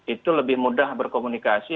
itu lebih mudah berkomunikasi